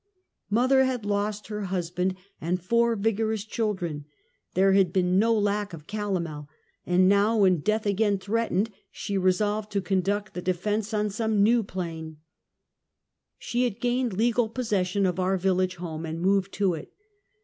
Mother had lost her husband and four vigorous children ; there had been no lack of cal omel, and now, when death again threatened, she re solved to conduct the defense on some new plan. She had gained legal possession of our village home, and moved to it.